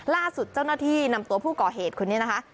ล่าสุดเจ้าหน้าที่นำตัวผู้ก่อเหตุคนนี้นะคะ